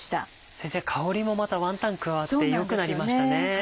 先生香りもまたワンタン加わって良くなりましたね。